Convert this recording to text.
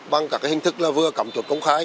bằng các cái hình thức là vừa cảm thuật công khai